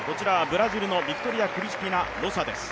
ブラジルのビクトリア・クリスティナ・ロサです。